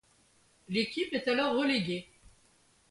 L'équipe est alors reléguée.